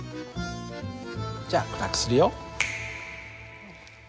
じゃあ暗くするよ。